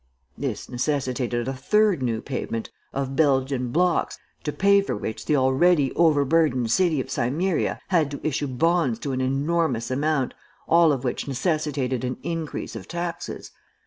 "This necessitated a third new pavement, of Belgian blocks, to pay for which the already overburdened city of Cimmeria had to issue bonds to an enormous amount, all of which necessitated an increase of taxes.